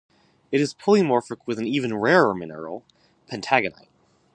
It is polymorphic with the even rarer mineral, pentagonite.